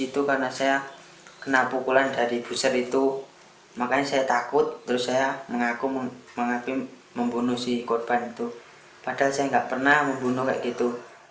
terus saya mengaku membunuh si korban itu padahal saya nggak pernah membunuh kayak gitu